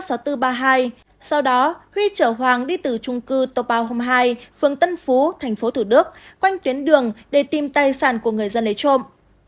sau đó huy chở hoàng đi từ trung cư tô bao hôm hai phường tân phú thành phố thủ đức quanh tuyến đường để tìm tài sản của người dân lấy trộm